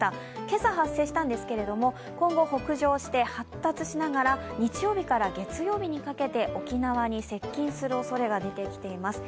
今朝発生したんですけれども今後北上して発達しながら日曜日から月曜日にかけて沖縄に接近するおそれが出てきています。